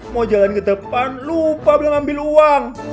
mau jalan ke depan lupa beliau ngambil uang